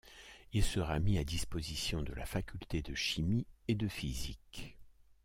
Il sera mis à disposition de la faculté de Chimie et de physique.